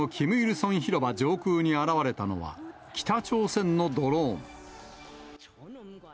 成広場上空に現れたのは、北朝鮮のドローン。